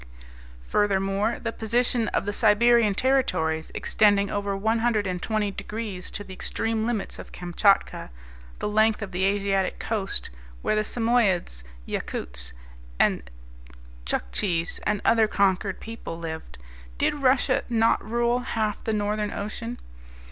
Furthermore, the position of the Siberian territories, extending over 120 degrees to the extreme limits of Kamchatka, the length of the Asiatic coast, where the Samoyedes, Yakoutes, Tchuoktchis, and other conquered people lived, did Russia not rule half of the Northern Ocean?